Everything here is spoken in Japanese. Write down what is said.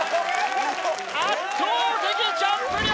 ・圧倒的ジャンプ力！